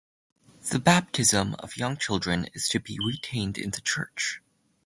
The Baptism of young children is to be retained in the Church.